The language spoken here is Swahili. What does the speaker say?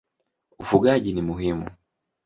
Ufugaji ni muhimu.